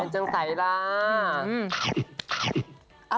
จังใสล่ะ